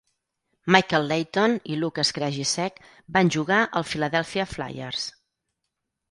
Michael Leighton i Lukas Krajicek van jugar al Philadelphia Flyers.